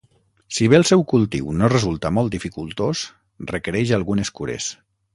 Si bé el seu cultiu no resulta molt dificultós, requereix algunes cures.